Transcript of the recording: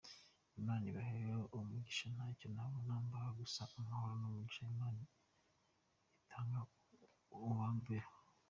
Imana ibahe umugishaaaa ntacyo nabona mbaha gusa Amahoro n’umugisha Imana itanga ubomeho.